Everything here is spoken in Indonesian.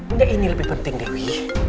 enggak ini lebih penting dari